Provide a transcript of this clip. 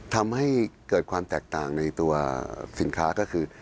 ทำให้เกิดความแตกต่างในตัวสินค้าก็คือ